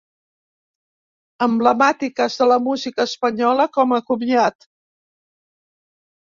Emblemàtiques de la música espanyola com a comiat.